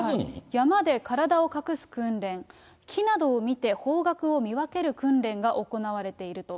山で体を隠す訓練、木などを見て方角を見分ける訓練が行われていると。